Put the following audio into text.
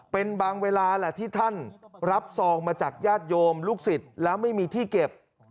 เป็นบางเวลาแหละที่ท่านรับซองมาจากญาติโยมลูกศิษย์แล้วไม่มีที่เก็บ